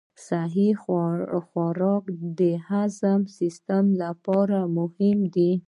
صحي خوراک د هاضمي سیستم لپاره مهم دی.